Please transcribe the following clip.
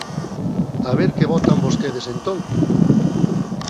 A ver que votan vostedes entón.